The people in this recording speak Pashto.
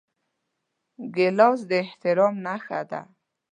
ګیلاس د احترام نښه ده.